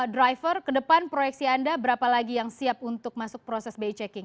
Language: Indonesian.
sembilan ratus tujuh puluh dua driver ke depan proyeksi anda berapa lagi yang siap untuk masuk proses bayi checking